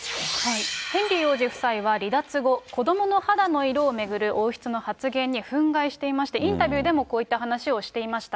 ヘンリー王子夫妻は離脱後、子どもの肌の色を巡る王室の発言に憤慨していまして、インタビューでもこういった話をしていました。